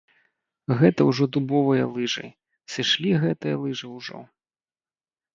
Гэта ўжо дубовыя лыжы, сышлі гэтыя лыжы ўжо.